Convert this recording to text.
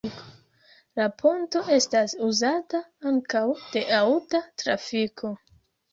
La ponto estas uzata ankaŭ de aŭta trafiko.